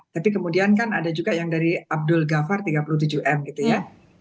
tapi kemudian kan ada juga yang dari abdul ghafar tiga puluh tujuh m gitu ya